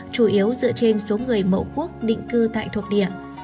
chủ yếu dựa trên số người mẫu quốc định cư tại thuộc địa